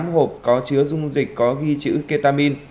sáu mươi tám hộp có chứa dung dịch có ghi chữ ketamin